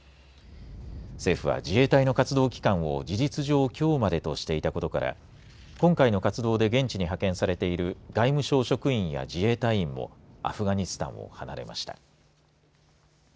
政府は自衛隊の活動期間を事実上きょうまでとしていたことから今回の活動で現地に派遣されている外務省職員や自衛隊員もアフガニスタンを離れました。